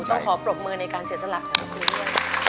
ต้องขอปรบมือในการเสียสละของคุณด้วย